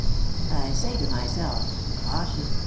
I say to myself, 'Caution!